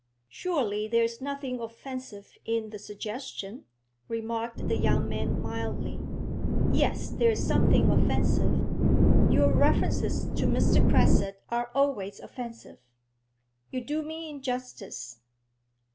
'Surely there is nothing offensive in the suggestion?' remarked the young man mildly. 'Yes, there is something offensive. Your references to Mr. Cresset are always offensive.' 'You do me injustice.